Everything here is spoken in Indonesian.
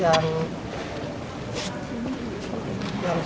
yang sudah menimbulkan